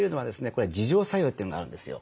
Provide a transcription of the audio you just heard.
これ自浄作用というのがあるんですよ。